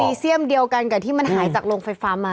มีเซียมเดียวกันกับที่มันหายจากโรงไฟฟ้ามา